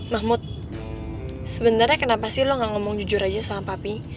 mahmud sebenarnya kenapa sih lo gak ngomong jujur aja sama papi